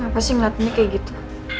kenapa sih ngeliatnya kayak gitu